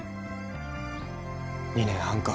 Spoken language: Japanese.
２年半か。